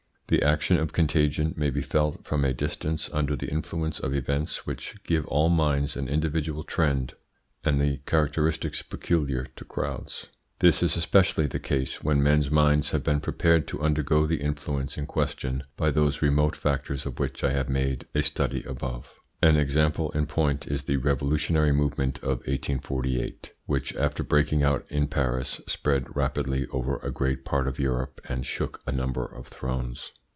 The action of contagion may be felt from a distance under the influence of events which give all minds an individual trend and the characteristics peculiar to crowds. This is especially the case when men's minds have been prepared to undergo the influence in question by those remote factors of which I have made a study above. An example in point is the revolutionary movement of 1848, which, after breaking out in Paris, spread rapidly over a great part of Europe and shook a number of thrones.